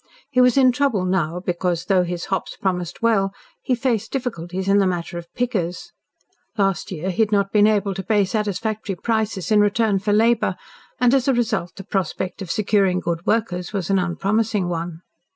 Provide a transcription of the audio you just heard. He was in trouble now because, though his hops promised well, he faced difficulties in the matter of "pickers." Last year he had not been able to pay satisfactory prices in return for labour, and as a result the prospect of securing good workers was an unpromising one.